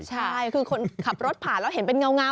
ใช่คือคนขับรถผ่านแล้วเห็นเป็นเงา